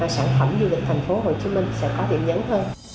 sản phẩm du lịch thành phố hồ chí minh sẽ có điểm nhấn hơn